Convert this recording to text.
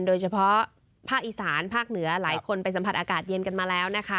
โดยเฉพาะภาคอีสานภาคเหนือหลายคนไปสัมผัสอากาศเย็นกันมาแล้วนะคะ